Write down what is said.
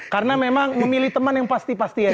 karena memang memilih teman yang pasti pasti aja